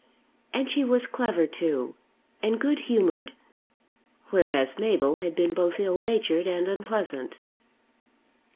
And she was clever too; and good humoured; whereas Mabel had been both ill natured and unpleasant.